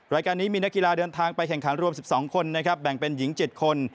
รายการนี้มีนักกีฬาเดินทางไปแข่งขันรวม๑๒คนนะครับแบ่งเป็นหญิง๗คน